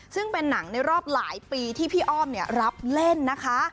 ซึ่งเป็นหนังในรอบหลายปีที่พี่อ้อมรับเล่นนะคะ